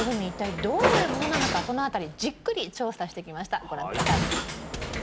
一体どういうものなのかその辺りじっくり調査してきましたご覧ください